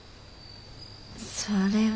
それは。